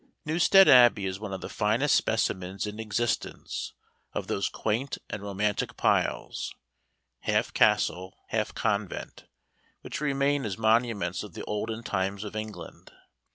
Newstead Abbey is one of the finest specimens in existence of those quaint and romantic piles, half castle, half convent, which remain as monuments of the olden times of England.